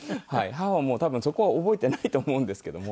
母は多分そこは覚えていないと思うんですけども。